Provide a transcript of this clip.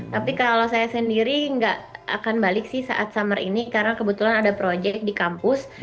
tapi kalau saya sendiri nggak akan balik sih saat summer ini karena kebetulan ada proyek di kampus